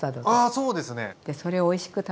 あそうですね。